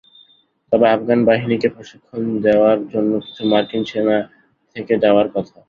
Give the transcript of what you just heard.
তবে আফগান বাহিনীকে প্রশিক্ষণ দেওয়ার জন্য কিছু মার্কিন সেনা থেকে যাওয়ার কথা।